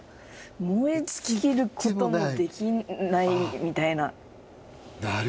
燃え尽きることもできないみたいな。